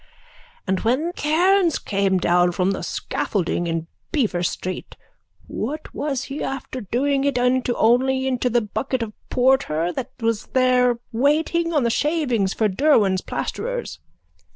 _ And when Cairns came down from the scaffolding in Beaver street what was he after doing it into only into the bucket of porter that was there waiting on the shavings for Derwan's plasterers.